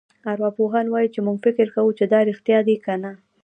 ارواپوهان وايي چې موږ فکر کوو چې دا رېښتیا دي کنه.